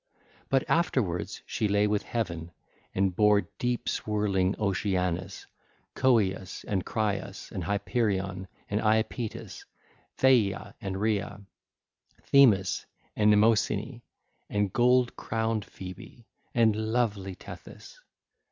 But afterwards she lay with Heaven and bare deep swirling Oceanus, Coeus and Crius and Hyperion and Iapetus, Theia and Rhea, Themis and Mnemosyne and gold crowned Phoebe and lovely Tethys.